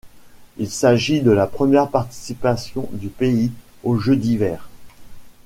Il s'agit de la première participation du pays aux Jeux d'hiver.